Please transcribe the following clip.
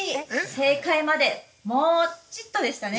正解まで、もうちっとでしたね。